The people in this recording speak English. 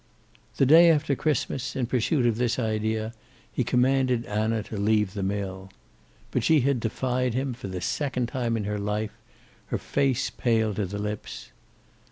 The day after Christmas, in pursuit of this idea, he commanded Anna to leave the mill. But she had defied him, for the second time in her, life, her face pale to the lips.